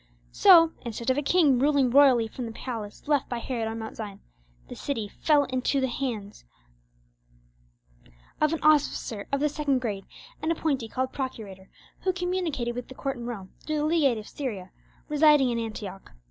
So, instead of a king ruling royally from the palace left by Herod on Mount Zion, the city fell into the hands of an officer of the second grade, an appointee called procurator, who communicated with the court in Rome through the Legate of Syria, residing in Antioch.